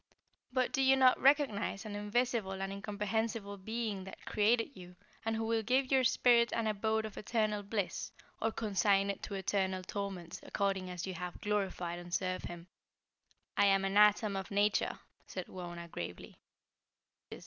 "But do you not recognize an invisible and incomprehensible Being that created you, and who will give your spirit an abode of eternal bliss, or consign it to eternal torments according as you have glorified and served him?" "I am an atom of Nature;" said Wauna, gravely.